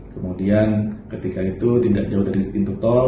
kemudian ketika itu tidak jauh dari pintu tol